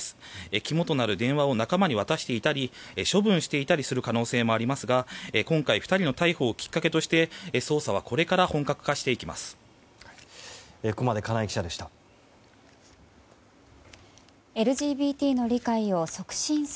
肝となる電話を仲間に渡していたり処分していたりする可能性もありますが今回２人の逮捕をきっかけとして捜査はこれから本格化していきます。